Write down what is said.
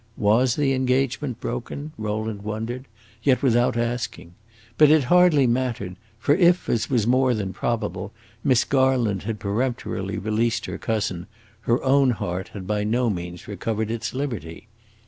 Was the engagement broken? Rowland wondered, yet without asking. But it hardly mattered, for if, as was more than probable, Miss Garland had peremptorily released her cousin, her own heart had by no means recovered its liberty.